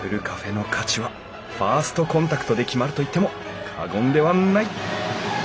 カフェの価値はファーストコンタクトで決まると言っても過言ではない！